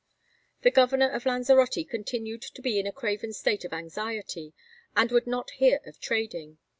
The Governor of Lanzarote continued to be in a craven state of anxiety, and would not hear of trading.